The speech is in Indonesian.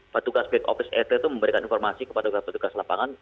petugas bik opis et itu memberikan informasi kepada petugas petugas lapangan